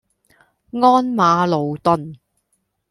鞍馬勞頓